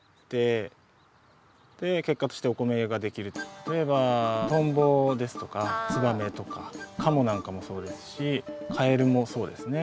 例えばトンボですとかツバメとかカモなんかもそうですしカエルもそうですね。